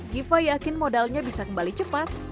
giva yakin modalnya bisa kembali cepat